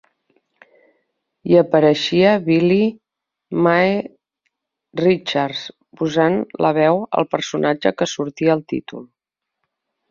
Hi apareixia Billie Mae Richards posant la veu al personatge que sortia al títol.